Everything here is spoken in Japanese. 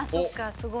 すごい。